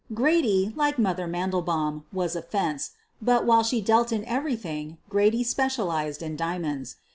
Grady, like "Mother" Mandelbaum, was a "fence," but, while she dealt in everything, Grady specialized in diamonds.